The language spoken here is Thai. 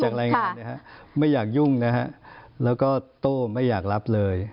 รายงานนะฮะไม่อยากยุ่งนะฮะแล้วก็โต้ไม่อยากรับเลย